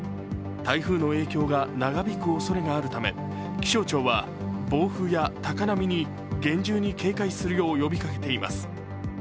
台風の影響が長引くおそれがあるため、気象庁は暴風や高波に厳重に警戒するよう呼びかけています。